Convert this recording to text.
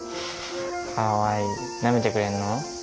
かわいいなめてくれんの？